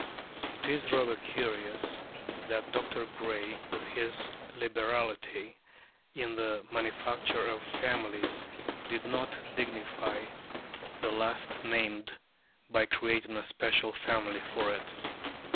It is rather curious that Dr. Gray with his liberality in the manufacture of families did not dignify the last named by creating a special family for it.